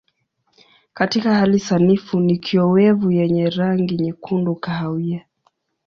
Katika hali sanifu ni kiowevu yenye rangi nyekundu kahawia.